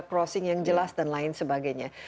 crossing yang jelas dan lain sebagainya